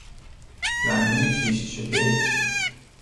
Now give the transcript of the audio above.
زمین کشت شده